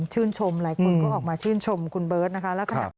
ชื่นชมหลายคนก็ออกมาชื่นชมคุณเบิร์ตนะคะ